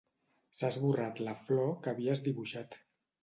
S'ha esborrat la flor que havies dibuixat.